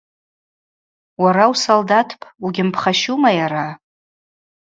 Уара усолдатпӏ, угьымпхащума йара.